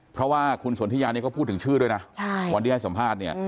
เพราะคุณสนทิยานนี่ก็ถึงชื่อด้วยนะทท๘๐๐สัมภาษณ์